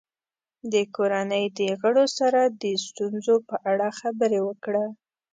د کورنۍ د غړو سره د ستونزو په اړه خبرې وکړه.